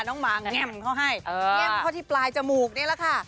น้องมาแง่มเขาให้แง่มเข้าที่ปลายจมูกนี่แหละค่ะ